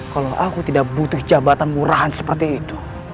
kalau aku tidak butuh jabatan murahan seperti itu